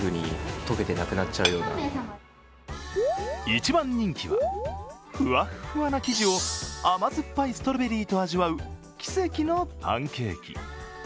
一番人気は、ふわっふわな生地を甘酸っぱいストロベリーと味わう奇跡のパンケーキ。